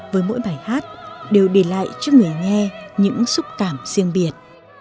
với mỗi bài hát đều để lại cho người nghe những xúc cảm riêng biệt